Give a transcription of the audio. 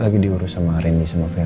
lagi diurus sama rendy sama felis